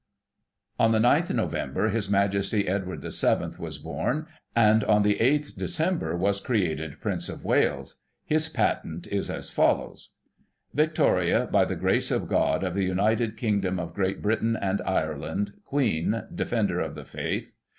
On the 9 Nov. His Majesty Edward VII. was born, and, on the 8th Dec. was created Prince of Wales. His patent is as follows :" Victoria, by the grace of God, of the United Kingdom of Great Britain and Ireland, Queen, Defender of the Faith.